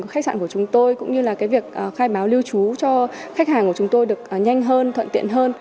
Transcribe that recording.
khách sạn của chúng tôi cũng như là cái việc khai báo lưu trú cho khách hàng của chúng tôi được nhanh hơn thuận tiện hơn